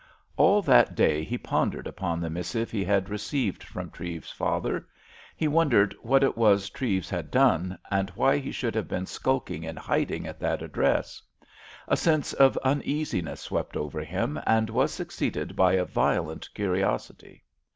All that day he pondered upon the missive he had received from Treves's father. He wondered what it was Treves had done, and why he should have been skulking in hiding at that address? A sense of uneasiness swept over him, and was succeeded by a violent curiosity.